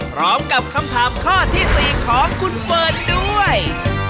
พร้อมกับคำถามข้อที่๔ของคุณเฟิร์นด้วย